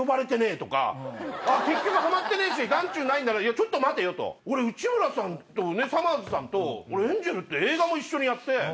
結局ハマってねえし眼中にないんだないやちょっと待てよと俺内村さんとさまぁずさんと『エンジェル』って映画も一緒にやって。